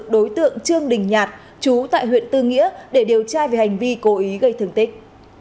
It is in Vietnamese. đối tượng trương đình nhạt chú tại huyện tư nghĩa để điều tra về hành vi cố ý gây thương tích